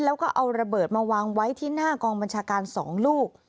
แล้วก็เอาระเบิดมาวางไว้ที่หน้ากองบัญชาการ๒ลูก